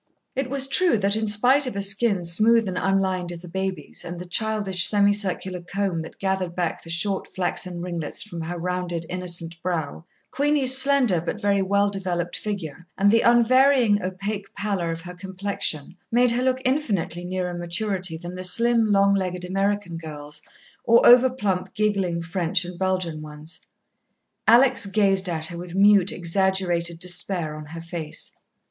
It was true that, in spite of a skin smooth and unlined as a baby's and the childish, semicircular comb that gathered back the short flaxen ringlets from her rounded, innocent brow, Queenie's slender, but very well developed figure and the unvarying opaque pallor of her complexion, made her look infinitely nearer maturity than the slim, long legged American girls, or over plump, giggling French and Belgian ones. Alex gazed at her with mute, exaggerated despair on her face.